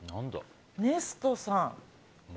ネストさん。